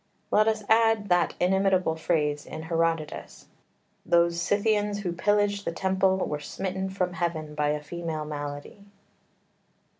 Let us add that inimitable phrase in Herodotus: "Those Scythians who pillaged the temple were smitten from heaven by a female malady."